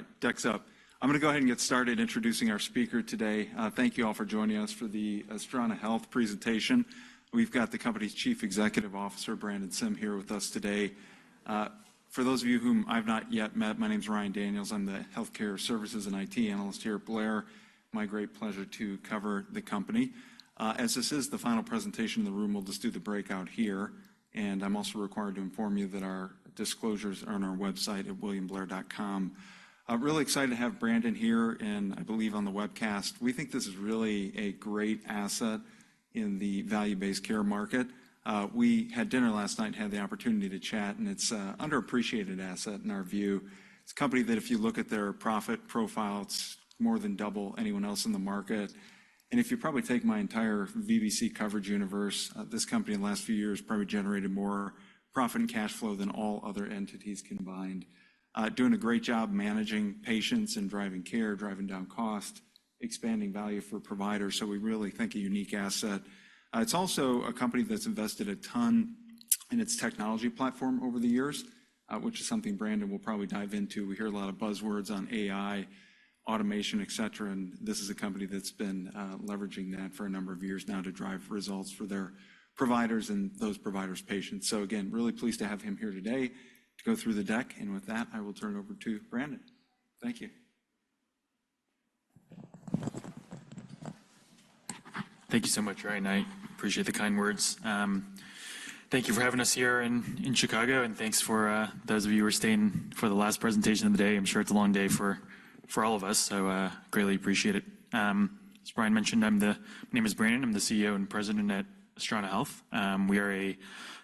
All right, deck's up. I'm gonna go ahead and get started introducing our speaker today. Thank you all for joining us for the Astrana Health presentation. We've got the company's Chief Executive Officer, Brandon Sim, here with us today. For those of you whom I've not yet met, my name's Ryan Daniels. I'm the Healthcare Services and IT analyst here at Blair. My great pleasure to cover the company. As this is the final presentation in the room, we'll just do the breakout here, and I'm also required to inform you that our disclosures are on our website at williamblair.com. I'm really excited to have Brandon here, and I believe on the webcast. We think this is really a great asset in the value-based care market. We had dinner last night and had the opportunity to chat, and it's an underappreciated asset in our view. It's a company that if you look at their profit profile, it's more than double anyone else in the market. And if you probably take my entire VBC coverage universe, this company in the last few years probably generated more profit and cash flow than all other entities combined. Doing a great job managing patients and driving care, driving down cost, expanding value for providers, so we really think a unique asset. It's also a company that's invested a ton in its technology platform over the years, which is something Brandon will probably dive into. We hear a lot of buzzwords on AI, automation, et cetera, and this is a company that's been leveraging that for a number of years now to drive results for their providers and those providers' patients. So again, really pleased to have him here today to go through the deck, and with that, I will turn it over to Brandon. Thank you. Thank you so much, Ryan. I appreciate the kind words. Thank you for having us here in Chicago, and thanks for those of you who are staying for the last presentation of the day. I'm sure it's a long day for all of us, so greatly appreciate it. As Ryan mentioned, I'm the—my name is Brandon. I'm the CEO and President at Astrana Health. We are a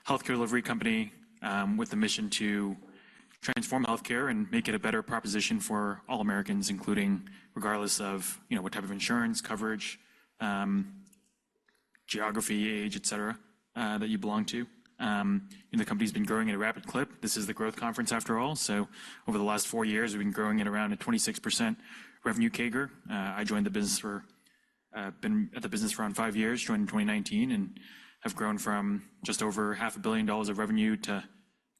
healthcare delivery company, with a mission to transform healthcare and make it a better proposition for all Americans, including regardless of, you know, what type of insurance coverage, geography, age, et cetera, that you belong to. And the company's been growing at a rapid clip. This is the growth conference after all. Over the last four years, we've been growing at around a 26% revenue CAGR. I joined the business for around five years, joined in 2019, and have grown from just over $500 million of revenue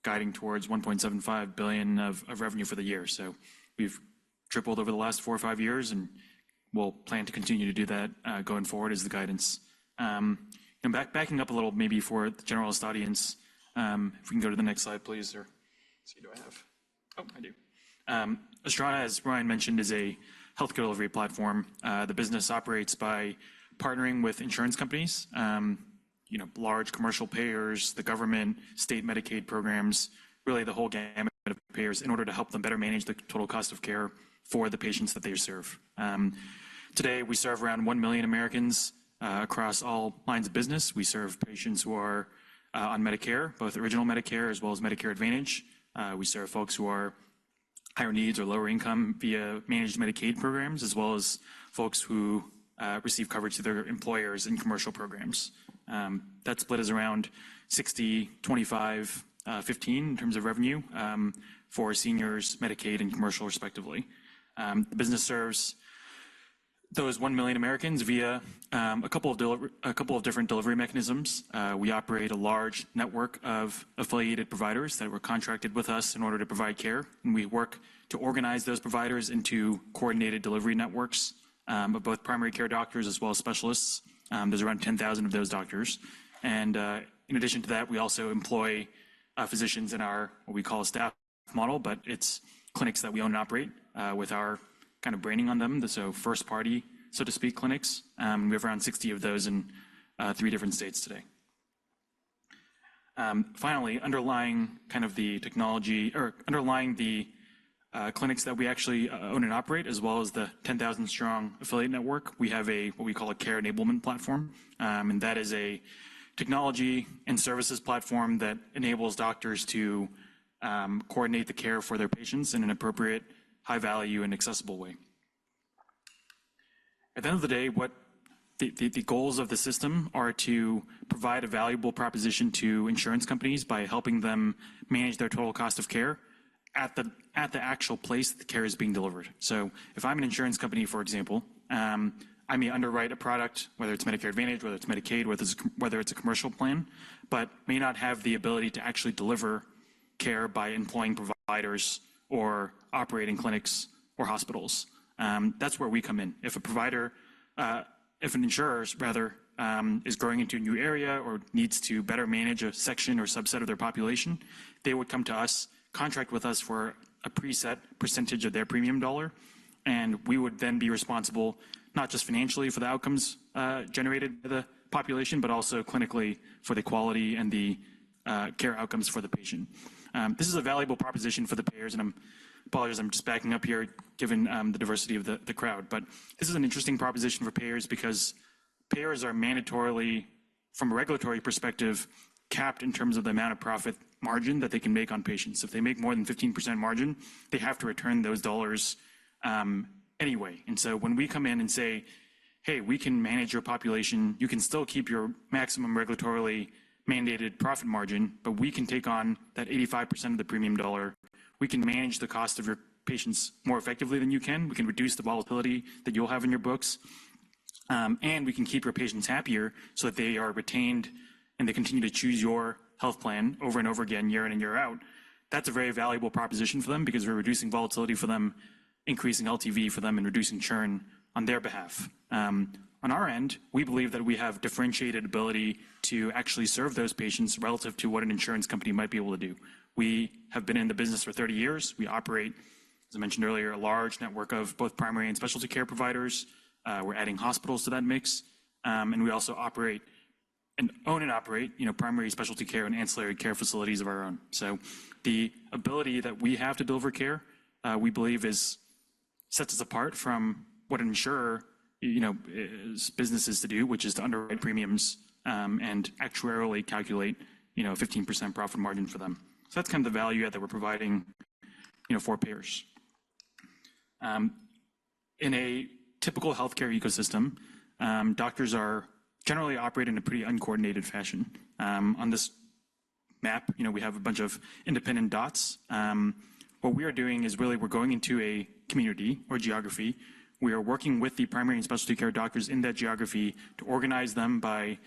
to guiding towards $1.75 billion of revenue for the year. So we've tripled over the last four or five years, and we'll plan to continue to do that going forward as the guidance. Backing up a little, maybe for the generalist audience, if we can go to the next slide, please, or let's see, do I have? Oh, I do. Astrana, as Ryan mentioned, is a healthcare delivery platform. The business operates by partnering with insurance companies, you know, large commercial payers, the government, state Medicaid programs, really the whole gamut of payers, in order to help them better manage the total cost of care for the patients that they serve. Today, we serve around 1 million Americans across all lines of business. We serve patients who are on Medicare, both Original Medicare as well as Medicare Advantage. We serve folks who are higher needs or lower income via managed Medicaid programs, as well as folks who receive coverage through their employers in commercial programs. That split is around 60, 25, 15 in terms of revenue for seniors, Medicaid, and commercial, respectively. The business serves those 1 million Americans via a couple of different delivery mechanisms. We operate a large network of affiliated providers that were contracted with us in order to provide care, and we work to organize those providers into coordinated delivery networks of both primary care doctors as well as specialists. There's around 10,000 of those doctors, and in addition to that, we also employ physicians in our, what we call a staff model, but it's clinics that we own and operate with our kind of branding on them, so first-party, so to speak, clinics. We have around 60 of those in 3 different states today. Finally, underlying kind of the technology or underlying the clinics that we actually own and operate, as well as the 10,000-strong affiliate network, we have a, what we call a care enablement platform. And that is a technology and services platform that enables doctors to coordinate the care for their patients in an appropriate, high-value, and accessible way. At the end of the day, what the goals of the system are to provide a valuable proposition to insurance companies by helping them manage their total cost of care at the actual place the care is being delivered. So if I'm an insurance company, for example, I may underwrite a product, whether it's Medicare Advantage, whether it's Medicaid, whether it's, whether it's a commercial plan, but may not have the ability to actually deliver care by employing providers or operating clinics or hospitals. That's where we come in. If a provider, if an insurer, rather, is growing into a new area or needs to better manage a section or subset of their population, they would come to us, contract with us for a preset percentage of their premium dollar, and we would then be responsible not just financially for the outcomes, generated by the population, but also clinically for the quality and the care outcomes for the patient. This is a valuable proposition for the payers, and I apologize, I'm just backing up here, given the diversity of the crowd. But this is an interesting proposition for payers because payers are mandatorily, from a regulatory perspective, capped in terms of the amount of profit margin that they can make on patients. If they make more than 15% margin, they have to return those dollars, anyway. And so when we come in and say, "Hey, we can manage your population, you can still keep your maximum regulatorily mandated profit margin, but we can take on that 85% of the premium dollar. We can manage the cost of your patients more effectively than you can. We can reduce the volatility that you'll have in your books." And we can keep your patients happier so that they are retained, and they continue to choose your health plan over and over again, year in and year out. That's a very valuable proposition for them because we're reducing volatility for them, increasing LTV for them, and reducing churn on their behalf. On our end, we believe that we have differentiated ability to actually serve those patients relative to what an insurance company might be able to do. We have been in the business for 30 years. We operate, as I mentioned earlier, a large network of both primary and specialty care providers. We're adding hospitals to that mix. We also operate and own and operate, you know, primary specialty care and ancillary care facilities of our own. So the ability that we have to deliver care, we believe is sets us apart from what an insurer, you know, is, business is to do, which is to underwrite premiums, and actuarially calculate, you know, a 15% profit margin for them. So that's kind of the value add that we're providing, you know, for payers. In a typical healthcare ecosystem, doctors are generally operating in a pretty uncoordinated fashion. On this map, you know, we have a bunch of independent dots. What we are doing is really we're going into a community or geography. We are working with the primary and specialty care doctors in that geography to organize them by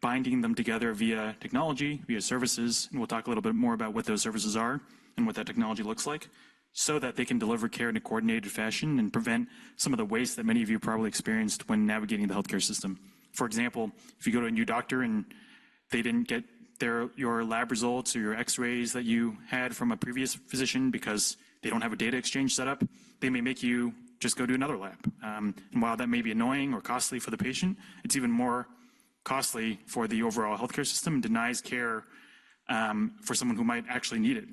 binding them together via technology, via services, and we'll talk a little bit more about what those services are and what that technology looks like, so that they can deliver care in a coordinated fashion and prevent some of the waste that many of you probably experienced when navigating the healthcare system. For example, if you go to a new doctor and they didn't get their... your lab results or your X-rays that you had from a previous physician because they don't have a data exchange set up, they may make you just go to another lab. And while that may be annoying or costly for the patient, it's even more costly for the overall healthcare system that denies care for someone who might actually need it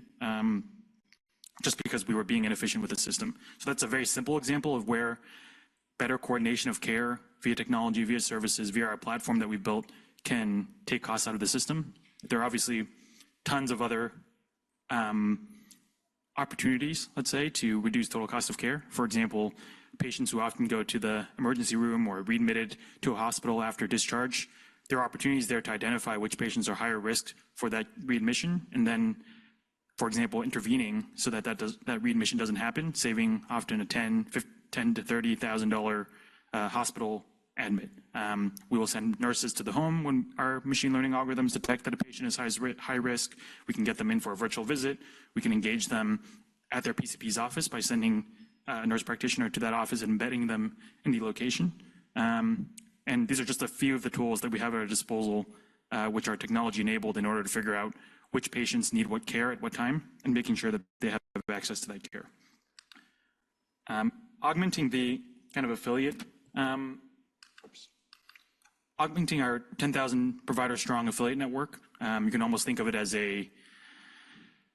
just because we were being inefficient with the system. So that's a very simple example of where better coordination of care via technology, via services, via our platform that we've built, can take costs out of the system. There are obviously tons of other opportunities, let's say, to reduce total cost of care. For example, patients who often go to the emergency room or are readmitted to a hospital after discharge, there are opportunities there to identify which patients are higher risk for that readmission and then, for example, intervening so that that readmission doesn't happen, saving often a $10,000-$30,000 hospital admit. We will send nurses to the home when our machine learning algorithms detect that a patient is high risk. We can get them in for a virtual visit. We can engage them at their PCP's office by sending a nurse practitioner to that office and embedding them in the location. And these are just a few of the tools that we have at our disposal, which are technology-enabled, in order to figure out which patients need what care at what time and making sure that they have access to that care. Augmenting the kind of affiliate... Augmenting our 10,000 provider-strong affiliate network, you can almost think of it as a,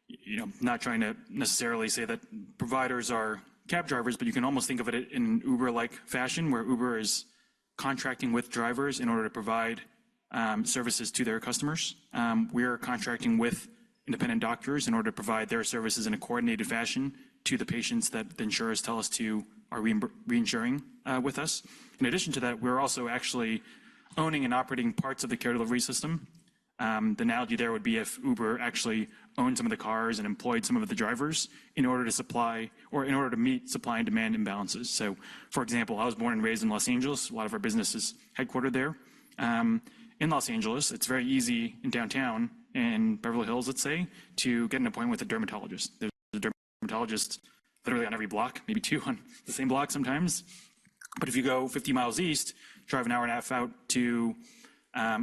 you know, not trying to necessarily say that providers are cab drivers, but you can almost think of it in Uber-like fashion, where Uber is contracting with drivers in order to provide services to their customers. We are contracting with independent doctors in order to provide their services in a coordinated fashion to the patients that the insurers tell us to are reinsuring with us. In addition to that, we're also actually owning and operating parts of the care delivery system. The analogy there would be if Uber actually owned some of the cars and employed some of the drivers in order to supply or in order to meet supply and demand imbalances. So, for example, I was born and raised in Los Angeles. A lot of our business is headquartered there. In Los Angeles, it's very easy in downtown, in Beverly Hills, let's say, to get an appointment with a dermatologist. There's a dermatologist literally on every block, maybe two on the same block sometimes. But if you go 50 miles east, drive an hour and a half out to,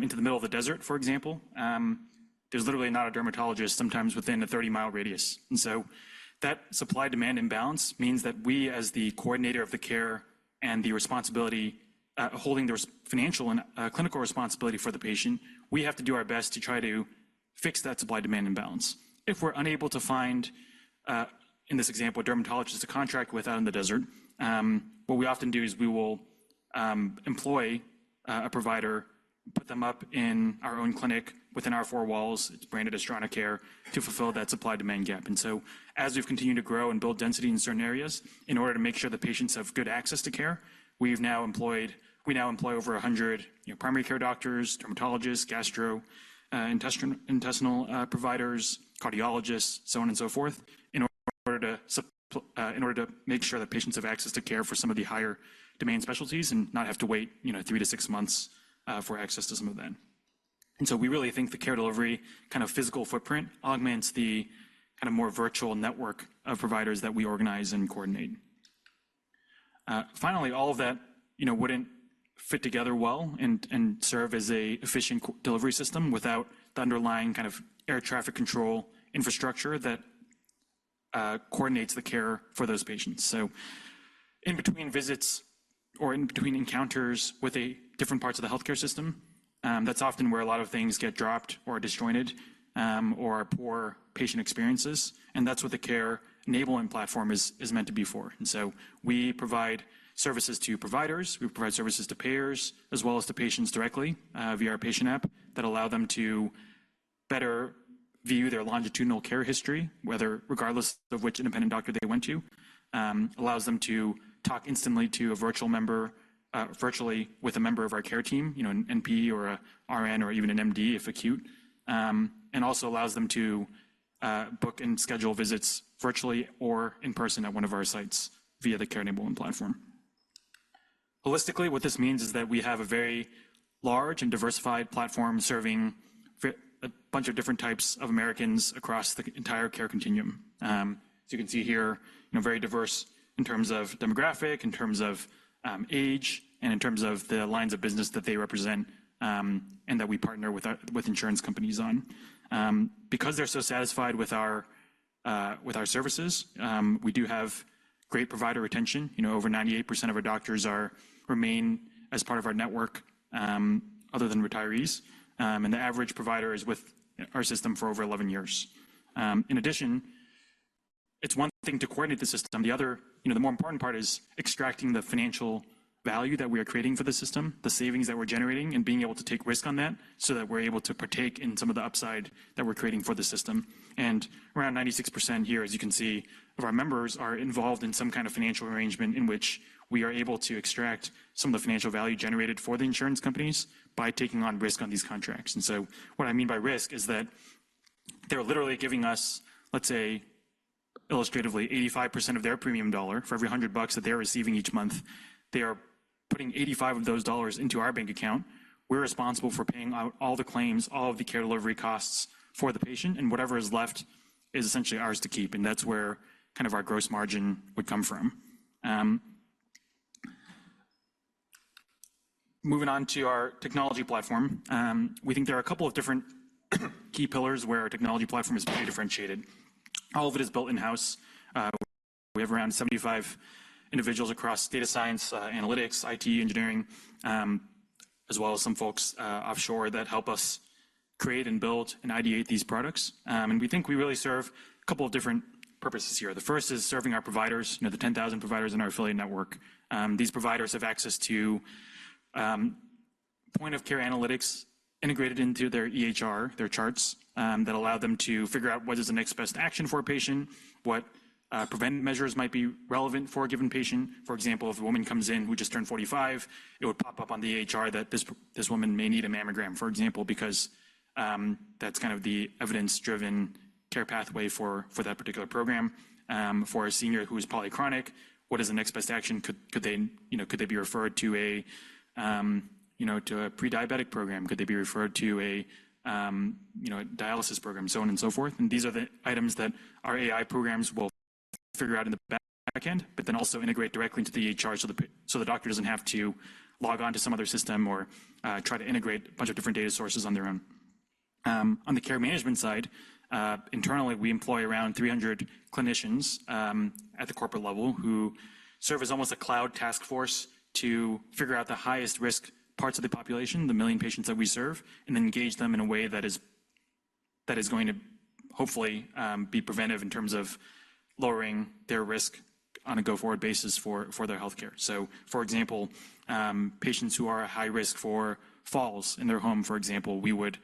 into the middle of the desert, for example, there's literally not a dermatologist, sometimes within a 30-mile radius. And so that supply-demand imbalance means that we, as the coordinator of the care and the responsibility, holding the financial and clinical responsibility for the patient, we have to do our best to try to fix that supply-demand imbalance. If we're unable to find, in this example, a dermatologist to contract with out in the desert, what we often do is we will employ a provider, put them up in our own clinic within our four walls, it's branded as Astrana Care, to fulfill that supply-demand gap. And so as we've continued to grow and build density in certain areas, in order to make sure the patients have good access to care, we now employ over 100, you know, primary care doctors, dermatologists, gastrointestinal providers, cardiologists, so on and so forth, in order to make sure that patients have access to care for some of the higher demand specialties and not have to wait, you know, 3-6 months, for access to some of them. We really think the care delivery kind of physical footprint augments the kind of more virtual network of providers that we organize and coordinate. Finally, all of that, you know, wouldn't fit together well and serve as an efficient co-delivery system without the underlying kind of air traffic control infrastructure that coordinates the care for those patients. So in between visits or in between encounters with different parts of the healthcare system, that's often where a lot of things get dropped or are disjointed, or are poor patient experiences, and that's what the care enabling platform is meant to be for. And so we provide services to providers, we provide services to payers, as well as to patients directly via our patient app, that allow them to better view their longitudinal care history, whether regardless of which independent doctor they went to, allows them to talk instantly to a virtual member, virtually with a member of our care team, you know, an NP or a RN or even an MD, if acute, and also allows them to book and schedule visits virtually or in person at one of our sites via the Care Enablement Platform... Holistically, what this means is that we have a very large and diversified platform serving a bunch of different types of Americans across the entire care continuum. As you can see here, you know, very diverse in terms of demographic, in terms of age, and in terms of the lines of business that they represent, and that we partner with insurance companies on. Because they're so satisfied with our services, we do have great provider retention. You know, over 98% of our doctors remain as part of our network, other than retirees, and the average provider is with our system for over 11 years. In addition, it's one thing to coordinate the system. The other, you know, the more important part is extracting the financial value that we are creating for the system, the savings that we're generating, and being able to take risk on that, so that we're able to partake in some of the upside that we're creating for the system. And around 96% here, as you can see, of our members are involved in some kind of financial arrangement in which we are able to extract some of the financial value generated for the insurance companies by taking on risk on these contracts. And so what I mean by risk is that they're literally giving us, let's say, illustratively, 85% of their premium dollar. For every 100 bucks that they're receiving each month, they are putting 85 of those dollars into our bank account. We're responsible for paying out all the claims, all of the care delivery costs for the patient, and whatever is left is essentially ours to keep, and that's where kind of our gross margin would come from. Moving on to our technology platform, we think there are a couple of different key pillars where our technology platform is pretty differentiated. All of it is built in-house. We have around 75 individuals across data science, analytics, IT, engineering, as well as some folks, offshore that help us create and build and ideate these products. And we think we really serve a couple of different purposes here. The first is serving our providers, you know, the 10,000 providers in our affiliate network. These providers have access to point-of-care analytics integrated into their EHR, their charts that allow them to figure out what is the next best action for a patient, what preventive measures might be relevant for a given patient. For example, if a woman comes in who just turned 45, it would pop up on the EHR that this woman may need a mammogram, for example, because that's kind of the evidence-driven care pathway for that particular program. For a senior who is polychronic, what is the next best action? Could they, you know, be referred to a pre-diabetic program? Could they be referred to a dialysis program? So on and so forth, and these are the items that our AI programs will figure out in the back end, but then also integrate directly into the EHR, so the doctor doesn't have to log on to some other system or, try to integrate a bunch of different data sources on their own. On the care management side, internally, we employ around 300 clinicians at the corporate level, who serve as almost a cloud task force to figure out the highest-risk parts of the population, the 1 million patients that we serve, and engage them in a way that is going to hopefully be preventive in terms of lowering their risk on a go-forward basis for their healthcare. So, for example, patients who are at high risk for falls in their home, for example, we would...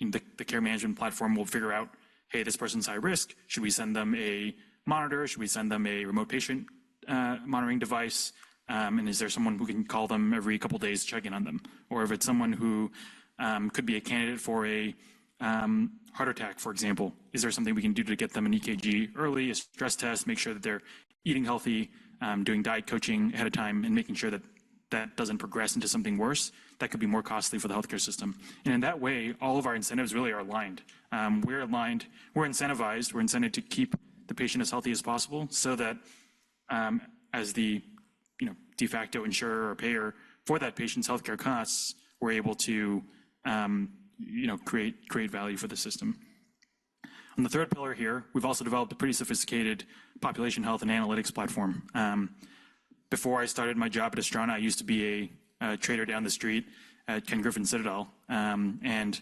The care management platform will figure out, "Hey, this person's high risk. Should we send them a monitor? Should we send them a remote patient monitoring device? And is there someone who can call them every couple of days to check in on them?" Or if it's someone who could be a candidate for a heart attack, for example, is there something we can do to get them an EKG early, a stress test, make sure that they're eating healthy, doing diet coaching ahead of time, and making sure that that doesn't progress into something worse that could be more costly for the healthcare system? And in that way, all of our incentives really are aligned. We're aligned. We're incentivized. We're incented to keep the patient as healthy as possible so that, you know, as the de facto insurer or payer for that patient's healthcare costs, we're able to, you know, create value for the system. On the third pillar here, we've also developed a pretty sophisticated population health and analytics platform. Before I started my job at Astrana, I used to be a trader down the street at Ken Griffin's Citadel, and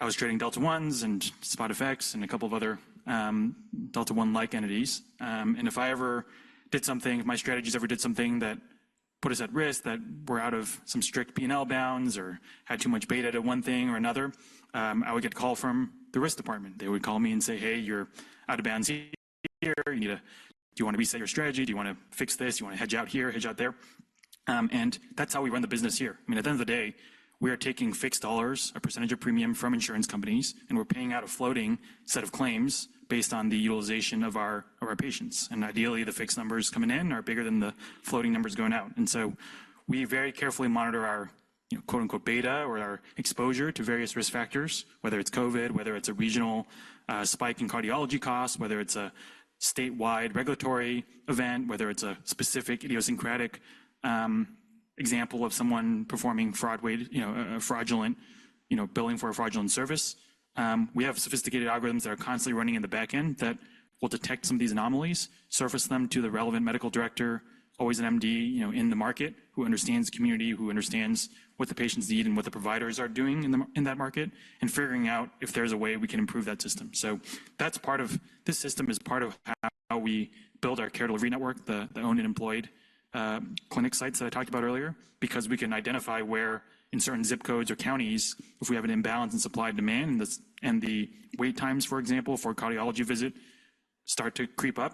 I was trading Delta Ones and Spot FX and a couple of other Delta One-like entities. And if I ever did something, if my strategies ever did something that put us at risk, that were out of some strict P&L bounds or had too much beta to one thing or another, I would get a call from the risk department. They would call me and say: "Hey, you're out of bounds here. You need to... Do you want to reset your strategy? Do you want to fix this? Do you want to hedge out here, hedge out there?" And that's how we run the business here. I mean, at the end of the day, we are taking fixed dollars, a percentage of premium from insurance companies, and we're paying out a floating set of claims based on the utilization of our patients, and ideally, the fixed numbers coming in are bigger than the floating numbers going out. And so we very carefully monitor our, you know, quote-unquote, "beta" or our exposure to various risk factors, whether it's COVID, whether it's a regional spike in cardiology costs, whether it's a statewide regulatory event, whether it's a specific idiosyncratic example of someone performing fraudulent, you know, billing for a fraudulent service. We have sophisticated algorithms that are constantly running in the back end that will detect some of these anomalies, surface them to the relevant medical director, always an MD, you know, in the market, who understands community, who understands what the patients need and what the providers are doing in that market, and figuring out if there's a way we can improve that system. So that's part of... This system is part of how we build our care delivery network, the owned and employed clinic sites that I talked about earlier, because we can identify where in certain zip codes or counties, if we have an imbalance in supply and demand, and the wait times, for example, for a cardiology visit, start to creep up,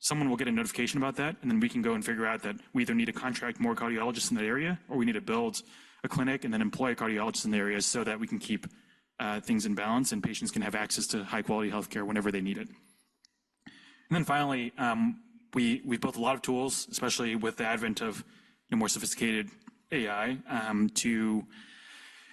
someone will get a notification about that, and then we can go and figure out that we either need to contract more cardiologists in that area, or we need to build a clinic and then employ a cardiologist in the area so that we can keep things in balance, and patients can have access to high-quality healthcare whenever they need it. And then finally, we built a lot of tools, especially with the advent of, you know, more sophisticated AI, to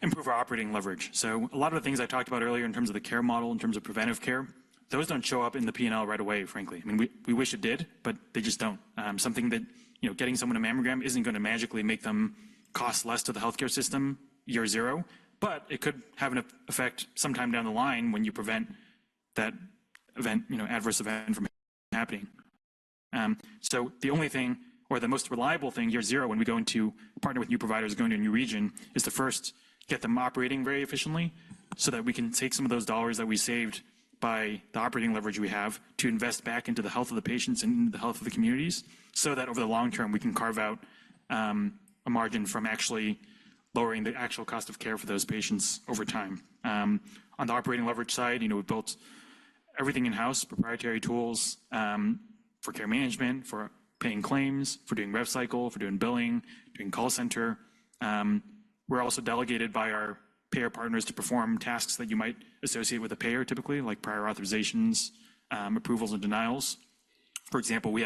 improve our operating leverage. So a lot of the things I talked about earlier in terms of the care model, in terms of preventive care, those don't show up in the P&L right away, frankly. I mean, we wish it did, but they just don't. Something that, you know, getting someone a mammogram isn't going to magically make them cost less to the healthcare system year zero, but it could have an effect sometime down the line when you prevent that event, you know, adverse event from happening. So the only thing or the most reliable thing, year zero, when we go into partner with new providers going to a new region, is to first get them operating very efficiently so that we can take some of those dollars that we saved by the operating leverage we have to invest back into the health of the patients and the health of the communities, so that over the long term, we can carve out a margin from actually lowering the actual cost of care for those patients over time. On the operating leverage side, you know, we've built everything in-house, proprietary tools for care management, for paying claims, for doing rev cycle, for doing billing, doing call center. We're also delegated by our payer partners to perform tasks that you might associate with a payer, typically, like prior authorizations, approvals and denials. For example, we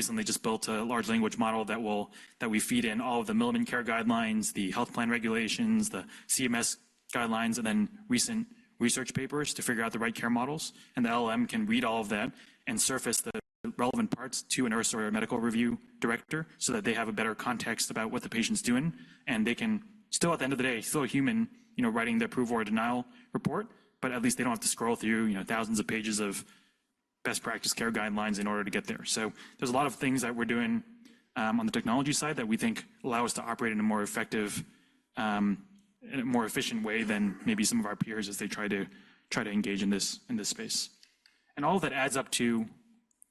recently just built a large language model that we feed in all of the Milliman Care Guidelines, the health plan regulations, the CMS guidelines, and then recent research papers to figure out the right care models. The LLM can read all of that and surface the relevant parts to a nurse or a medical review director so that they have a better context about what the patient's doing, and they can still, at the end of the day, still a human, you know, writing the approval or denial report, but at least they don't have to scroll through, you know, thousands of pages of best practice care guidelines in order to get there. So there's a lot of things that we're doing on the technology side that we think allow us to operate in a more effective, in a more efficient way than maybe some of our peers as they try to engage in this space. And all of that adds up to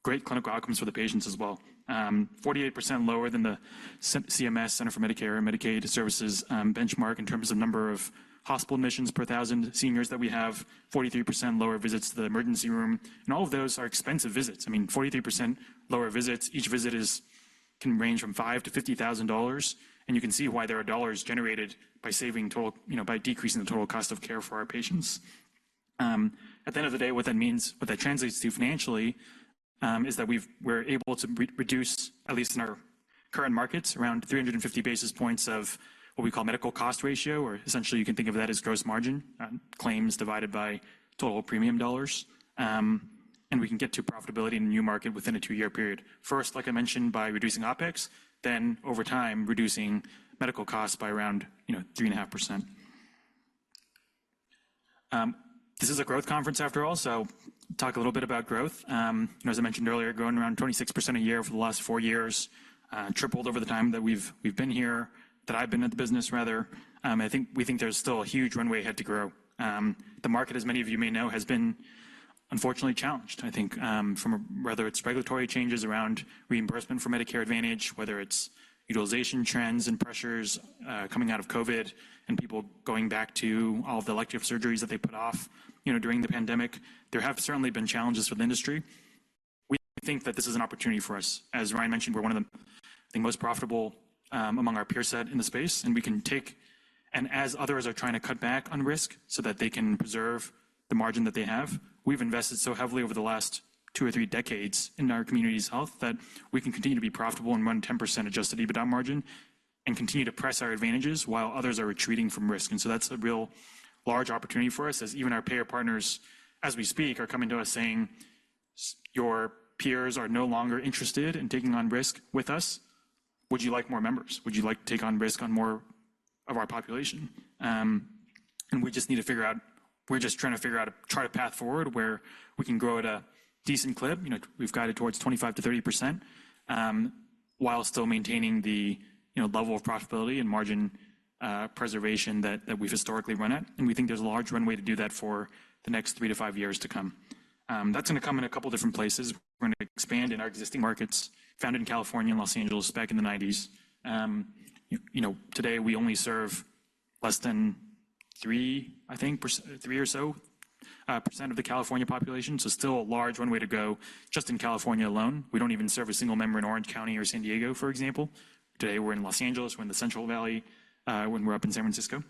great clinical outcomes for the patients as well. 48% lower than the CMS, Centers for Medicare and Medicaid Services, benchmark in terms of number of hospital admissions per 1,000 seniors that we have, 43% lower visits to the emergency room, and all of those are expensive visits. I mean, 43% lower visits, each visit can range from $5,000-$50,000, and you can see why there are dollars generated by saving total, you know, by decreasing the total cost of care for our patients. At the end of the day, what that means, what that translates to financially, is that we're able to reduce, at least in our current markets, around 350 basis points of what we call Medical Cost Ratio, or essentially you can think of that as gross margin, claims divided by total premium dollars. And we can get to profitability in a new market within a two-year period. First, like I mentioned, by reducing OpEx, then over time, reducing medical costs by around, you know, 3.5%. This is a growth conference after all, so talk a little bit about growth. As I mentioned earlier, growing around 26% a year over the last four years, tripled over the time that we've been here, that I've been at the business, rather. I think we think there's still a huge runway ahead to grow. The market, as many of you may know, has been unfortunately challenged, I think, from whether it's regulatory changes around reimbursement for Medicare Advantage, whether it's utilization trends and pressures, coming out of COVID, and people going back to all of the elective surgeries that they put off, you know, during the pandemic. There have certainly been challenges for the industry. We think that this is an opportunity for us. As Ryan mentioned, we're one of the, I think, most profitable, among our peer set in the space, and we can take... And as others are trying to cut back on risk so that they can preserve the margin that they have, we've invested so heavily over the last two or three decades in our community's health that we can continue to be profitable and run 10% adjusted EBITDA margin and continue to press our advantages while others are retreating from risk. And so that's a real large opportunity for us, as even our payer partners, as we speak, are coming to us saying, "Your peers are no longer interested in taking on risk with us. Would you like more members? Would you like to take on risk on more of our population?" And we're just trying to figure out a path forward where we can grow at a decent clip. You know, we've guided towards 25%-30%, while still maintaining the, you know, level of profitability and margin, preservation that, that we've historically run at. We think there's a large runway to do that for the next 3-5 years to come. That's going to come in a couple of different places. We're going to expand in our existing markets, founded in California and Los Angeles back in the 1990s. You know, today, we only serve less than 3, I think, 3 or so, percent of the California population, so still a large runway to go just in California alone. We don't even serve a single member in Orange County or San Diego, for example. Today, we're in Los Angeles, we're in the Central Valley, when we're up in San Francisco.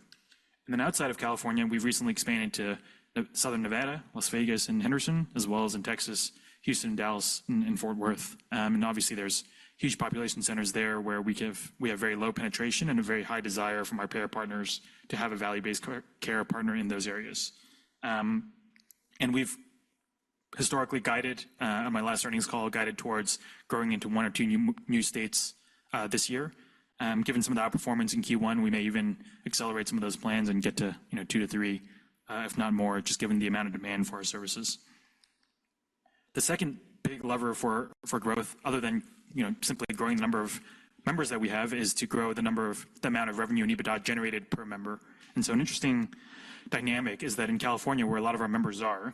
Then outside of California, we've recently expanded to Southern Nevada, Las Vegas, and Henderson, as well as in Texas, Houston, Dallas, and Fort Worth. Obviously, there's huge population centers there where we have very low penetration and a very high desire from our payer partners to have a value-based care partner in those areas. We've historically guided on my last earnings call towards growing into one or two new states this year. Given some of our performance in Q1, we may even accelerate some of those plans and get to, you know, two to three, if not more, just given the amount of demand for our services. The second big lever for growth, other than, you know, simply growing the number of members that we have, is to grow the amount of revenue and EBITDA generated per member. And so an interesting dynamic is that in California, where a lot of our members are,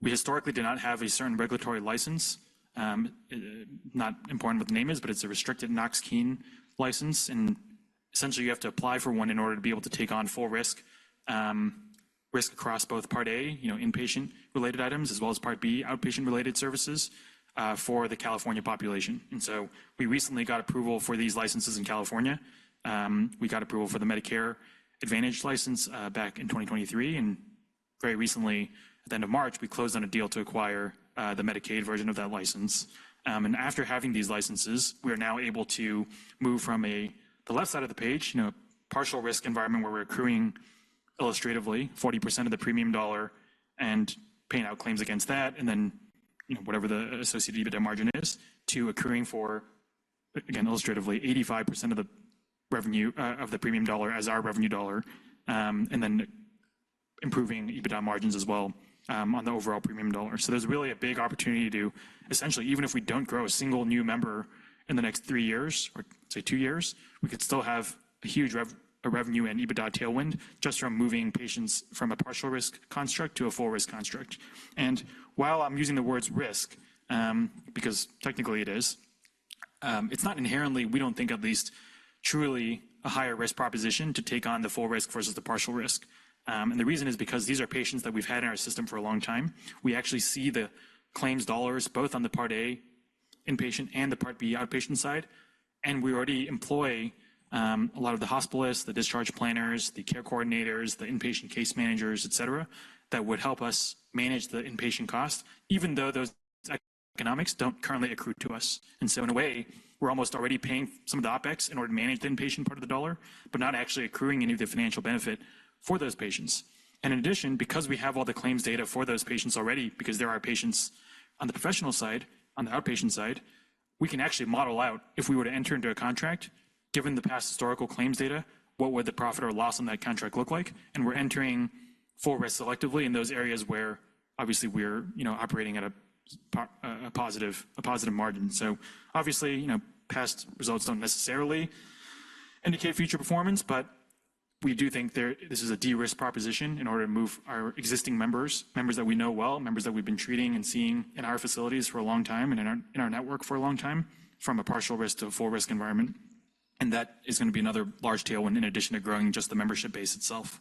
we historically did not have a certain regulatory license. Not important what the name is, but it's a restricted Knox-Keene license, and essentially, you have to apply for one in order to be able to take on full risk across both Part A, you know, inpatient-related items, as well as Part B, outpatient-related services, for the California population. And so we recently got approval for these licenses in California. We got approval for the Medicare Advantage license back in 2023, and... Very recently, at the end of March, we closed on a deal to acquire the Medicaid version of that license. After having these licenses, we are now able to move from the left side of the page, you know, partial risk environment, where we're accruing illustratively 40% of the premium dollar and paying out claims against that, and then, you know, whatever the associated EBITDA margin is, to accruing for, again, illustratively, 85% of the revenue of the premium dollar as our revenue dollar, and then improving EBITDA margins as well on the overall premium dollar. So there's really a big opportunity to essentially, even if we don't grow a single new member in the next 3 years or say 2 years, we could still have a huge revenue and EBITDA tailwind just from moving patients from a partial risk construct to a full risk construct. And while I'm using the words risk, because technically it is, it's not inherently, we don't think at least, truly a higher risk proposition to take on the full risk versus the partial risk. And the reason is because these are patients that we've had in our system for a long time. We actually see the claims dollars, both on the Part A inpatient and the Part B outpatient side, and we already employ a lot of the hospitalists, the discharge planners, the care coordinators, the inpatient case managers, etc., that would help us manage the inpatient cost, even though those economics don't currently accrue to us. And so in a way, we're almost already paying some of the OpEx in order to manage the inpatient part of the dollar, but not actually accruing any of the financial benefit for those patients. And in addition, because we have all the claims data for those patients already, because they're our patients on the professional side, on the outpatient side, we can actually model out, if we were to enter into a contract, given the past historical claims data, what would the profit or loss on that contract look like? And we're entering full risk selectively in those areas where obviously we're, you know, operating at a positive margin. So obviously, you know, past results don't necessarily indicate future performance, but we do think this is a de-risk proposition in order to move our existing members, members that we know well, members that we've been treating and seeing in our facilities for a long time and in our network for a long time, from a partial risk to a full risk environment. And that is gonna be another large tailwind in addition to growing just the membership base itself.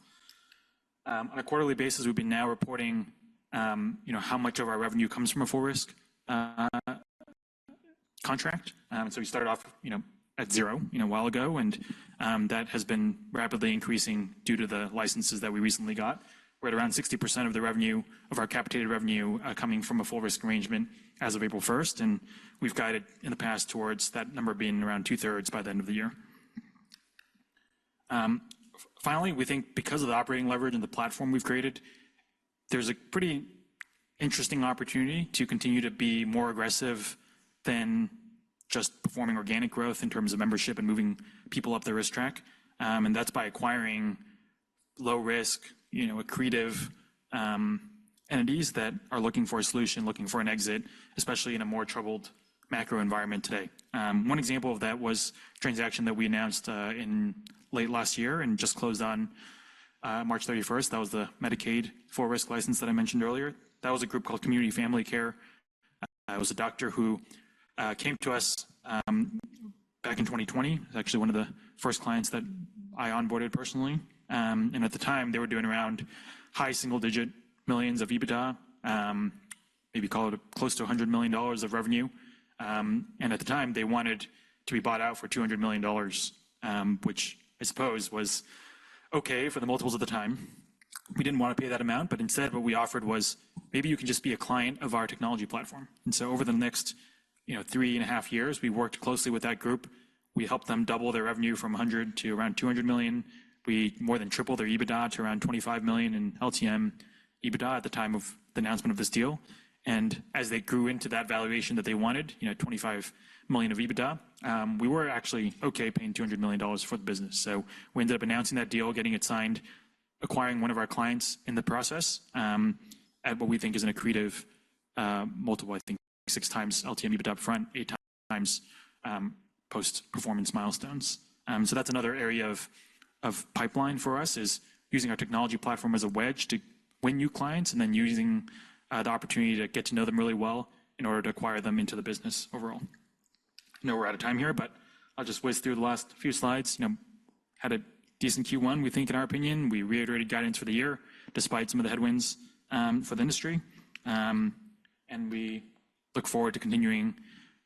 On a quarterly basis, we've been now reporting, you know, how much of our revenue comes from a full risk contract. So we started off, you know, at zero, you know, a while ago, and that has been rapidly increasing due to the licenses that we recently got. We're at around 60% of the revenue, of our capitated revenue, coming from a full risk arrangement as of April 1, and we've guided in the past towards that number being around two-thirds by the end of the year. Finally, we think because of the operating leverage and the platform we've created, there's a pretty interesting opportunity to continue to be more aggressive than just performing organic growth in terms of membership and moving people up the risk track. And that's by acquiring low risk, you know, accretive, entities that are looking for a solution, looking for an exit, especially in a more troubled macro environment today. One example of that was a transaction that we announced in late last year and just closed on March 31st. That was the Medicaid full risk license that I mentioned earlier. That was a group called Community Family Care. It was a doctor who came to us back in 2020. Actually, one of the first clients that I onboarded personally. And at the time, they were doing around high single-digit millions of EBITDA, maybe call it close to $100 million of revenue. And at the time, they wanted to be bought out for $200 million, which I suppose was okay for the multiples at the time. We didn't want to pay that amount, but instead, what we offered was, "Maybe you can just be a client of our technology platform." And so over the next, you know, three and a half years, we worked closely with that group. We helped them double their revenue from $100 million to around $200 million. We more than tripled their EBITDA to around $25 million in LTM EBITDA at the time of the announcement of this deal. And as they grew into that valuation that they wanted, you know, $25 million of EBITDA, we were actually okay paying $200 million for the business. So we ended up announcing that deal, getting it signed, acquiring one of our clients in the process, at what we think is an accretive multiple, I think, 6x LTM EBITDA up front, 8x post-performance milestones. So that's another area of pipeline for us, is using our technology platform as a wedge to win new clients and then using the opportunity to get to know them really well in order to acquire them into the business overall. I know we're out of time here, but I'll just whiz through the last few slides. You know, had a decent Q1, we think, in our opinion. We reiterated guidance for the year, despite some of the headwinds for the industry. And we look forward to continuing,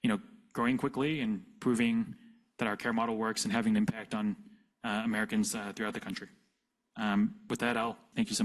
you know, growing quickly and proving that our care model works and having an impact on Americans throughout the country. With that, I'll thank you so much.